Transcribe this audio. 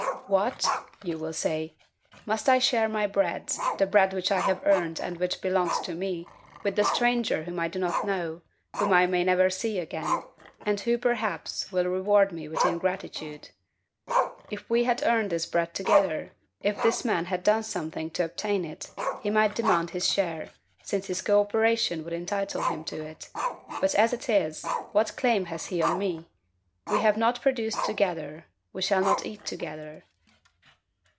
"What!" you will say, "must I share my bread, the bread which I have earned and which belongs to me, with the stranger whom I do not know; whom I may never see again, and who, perhaps, will reward me with ingratitude? If we had earned this bread together, if this man had done something to obtain it, he might demand his share, since his co operation would entitle him to it; but as it is, what claim has he on me? We have not produced together we shall not eat together."